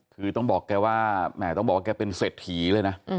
คือต้องบอกแกว่าแหมต้องบอกว่าแกเป็นเศรษฐีเลยนะ